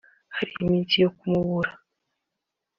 hari iminsi yo kumubura